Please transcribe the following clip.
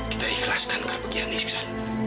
kita ikhlaskan kebagian iksan